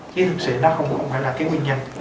chứ thực sự đó không phải là cái nguyên nhân